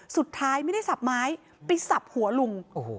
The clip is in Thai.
สุดท้ายไม่ได้สับไม้ไปสับหัวลุง